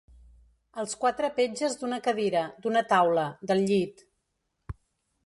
Els quatre petges d'una cadira, d'una taula, del llit.